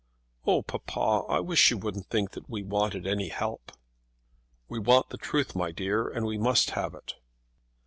"Oh, papa, I wish you wouldn't think that we wanted any help." "We want the truth, my dear, and we must have it."